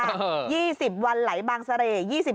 อือ๒๐วันไหลบางเสรต์